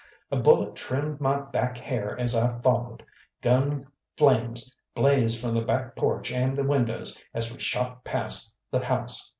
A bullet trimmed my back hair as I followed, gun flames blazed from the back porch and the windows, as we shot past the house.